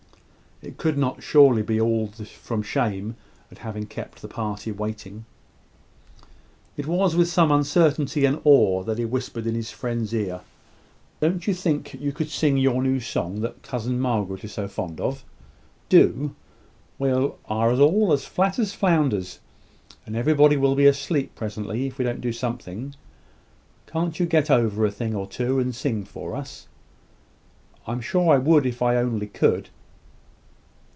It could not surely be all from shame at having kept the party waiting. It was with some uncertainty and awe that he whispered in his friend's ear "Don't you think you could sing your new song that cousin Margaret is so fond of? Do: we are all as flat as flounders, and everybody will be asleep presently if we don't do something. Can't you get over a thing or two, and sing for us?" "I am sure I would if I only could."